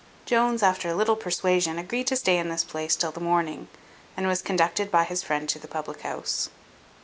Jones, after a little persuasion, agreed to stay in this place till the morning, and was conducted by his friend to the public house.